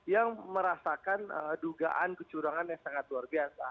yang merasakan dugaan kecurangan yang sangat luar biasa